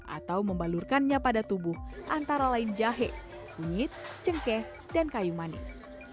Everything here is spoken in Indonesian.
atau membalurkannya pada tubuh antara lain jahe kunyit cengkeh dan kayu manis